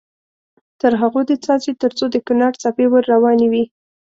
تر هغو دې څاڅي تر څو د کونړ څپې ور روانې وي.